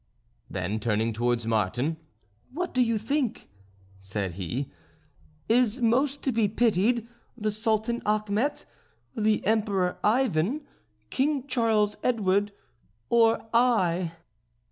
Then, turning towards Martin: "Who do you think," said he, "is most to be pitied the Sultan Achmet, the Emperor Ivan, King Charles Edward, or I?"